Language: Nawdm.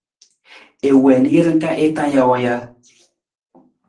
I wiin jir ka ji tang jawang ja?